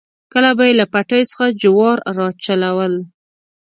کله به یې له پټیو څخه جوار راچلول.